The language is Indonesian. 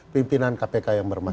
pimpinan kpk yang bermasalah